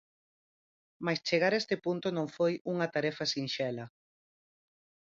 Mais chegar a este punto non foi unha tarefa sinxela.